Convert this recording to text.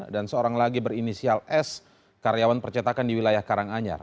dan seorang lagi berinisial s karyawan percetakan di wilayah karanganyar